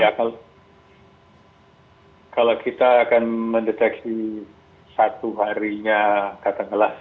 ya kalau kita akan mendeteksi satu harinya katakanlah